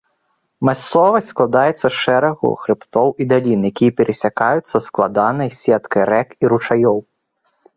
Мясцовасць складаецца з шэрагу хрыбтоў і далін, якія перасякаюцца складанай сеткай рэк і ручаёў.